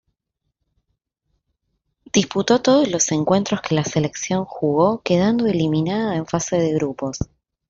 Disputó todos los encuentros que la selección jugó, quedando eliminada en fase de grupos.